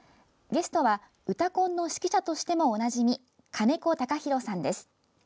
ゲストは「うたコン」の指揮者としてもおなじみ金子隆博さんです。